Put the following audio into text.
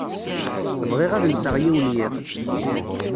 Bɣiɣ ad nseɣ yiwen yiḍ.